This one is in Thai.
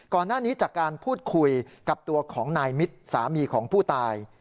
ก่อนหน้านี้จากการพูดคุยกับตัวของนายมิตรสามีของผู้ตาย